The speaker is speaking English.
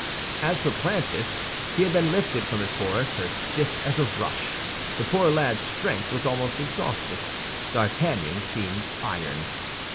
As for Planchet, he had been lifted from his horse as stiff as a rush; the poor lad's strength was almost exhausted. D'Artagnan seemed iron.